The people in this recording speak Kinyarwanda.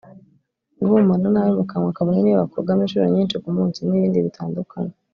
guhumura nabi mu kanwa kabone niyo wakogamo inshuro nyinshi ku munsi n’ibindi bitandukanye